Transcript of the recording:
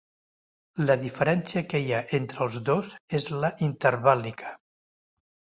La diferència que hi ha entre els dos és la intervàl·lica.